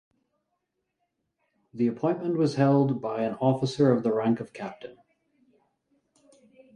The appointment was held by an officer of the rank of Captain.